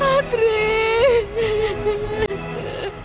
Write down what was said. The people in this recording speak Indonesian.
yaudah humour placenya